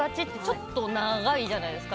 ちょっと長いじゃないですか。